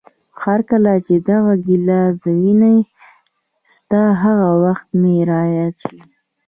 هرکله چې دغه ګیلاس ووینم، ستا هغه وخت مې را یاد شي.